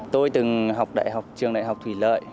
tôi từng học đại học trường đại học thủy lợi